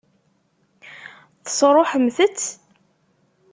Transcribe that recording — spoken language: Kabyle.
Tesṛuḥemt-t?